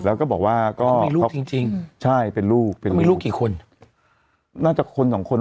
แล้วก็บอกว่าก็มีลูกจริงจริงใช่เป็นลูกเป็นลูกมีลูกกี่คนน่าจะคนสองคน